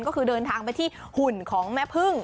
ก็คือเดินทางไปที่หุ่นของแม่พึ่ง